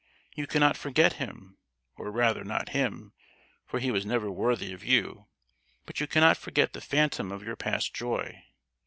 You cannot forget him, or rather not him—for he was never worthy of you,—but you cannot forget the phantom of your past joy!